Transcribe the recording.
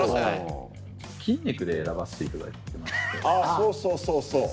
そうそうそうそう